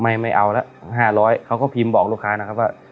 ไม่ไม่เอาละ๕๐๐เขาก็พิมพ์บอกลูกค้านะครับว่า